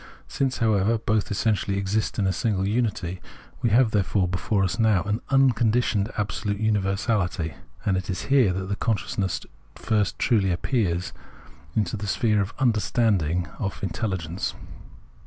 Since, however, both essentially exist in a single unity, we have before us now unconditioned absolute universality ; and it is here that consciousness first truly passes into the sphere of Understanding, of Intelligence.